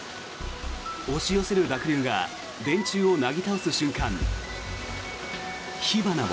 押し寄せる濁流が電柱をなぎ倒す瞬間、火花も。